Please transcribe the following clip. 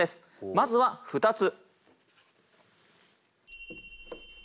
まずは２つ。